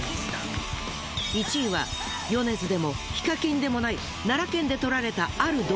１位は米津でもＨＩＫＡＫＩＮでもない奈良県で撮られたある動画。